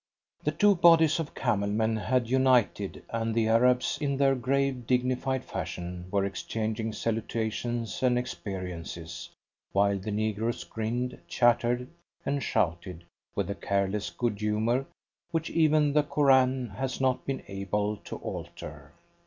The two bodies of camel men had united, and the Arabs, in their grave, dignified fashion, were exchanging salutations and experiences, while the negroes grinned, chattered, and shouted, with the careless good humour which even the Koran has not been able to alter.